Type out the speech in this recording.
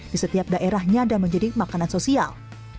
di setiap daerahnya dan menjadi makanan sosial